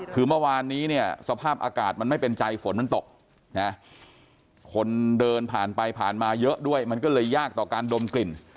คือเมื่อวานนี้เนี่ยสภาพอากาศมันไม่เป็นใจฝนมันตกนะคนเดินผ่านไปผ่านมาเยอะด้วยมันก็เลยยากต่อการดมกลิ่น